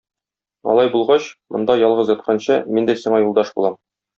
Алай булгач, монда ялгыз ятканчы, мин дә сиңа юлдаш булам.